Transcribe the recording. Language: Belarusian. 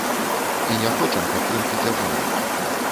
І не хочам падтрымкі дзяржавы.